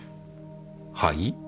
はい？